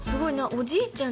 おじいちゃん？